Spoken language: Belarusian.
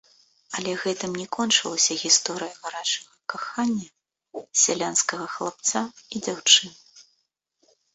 Але гэтым не кончылася гісторыя гарачага кахання сялянскага хлапца і дзяўчыны.